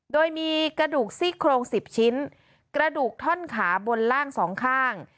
โดยมีกระดูกซี่โครง๑๐ชิ้นกระดูกท่อนขาบนล่างสองข้าง